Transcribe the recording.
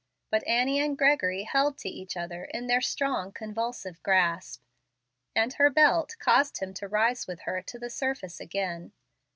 But Annie and Gregory held to each other in their strong, convulsive grasp, and her belt caused him to rise with her to the surface again.